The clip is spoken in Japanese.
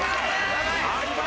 相葉